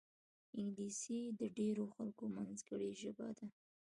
انګلیسي د ډېرو خلکو منځګړې ژبه ده